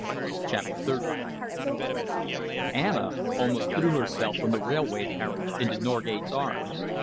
CHAPTER XXX Anna almost threw herself from the railway carriage into Norgate's arms.